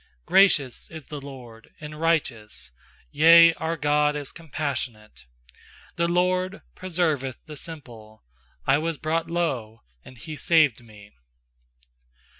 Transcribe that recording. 7 6Gracious is the LORD, and righteous Yea, our God is compassionate 6The LORD preserveth the simple; I was brought low, and He saved me.